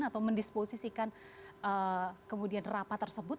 atau mendisposisikan kemudian rapat tersebut